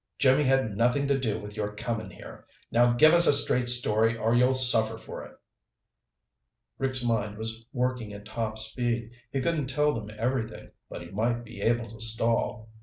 "Jimmy had nothin' to do with your comin' here. Now give us a straight story or you'll suffer for it!" Rick's mind was working at top speed. He couldn't tell them everything, but he might be able to stall.